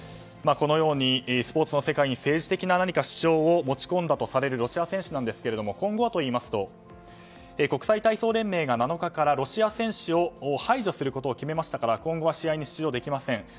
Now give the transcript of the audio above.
このようにスポーツの世界に何か政治的な主張を持ち込んだとされるロシア選手ですが今後はといいますと国際体操連盟が７日からロシア選手を排除することを決めましたから今後は試合に出場できません。